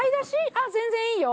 あっ全然いいよ。